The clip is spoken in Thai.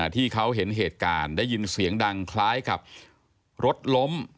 ที่เขาเห็นเหตุการณ์ได้ยินเสียงดังคล้ายกับรถล้ม